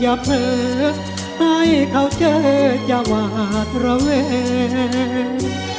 อย่าเพิ่งให้เขาเจอจังหวาดระเวน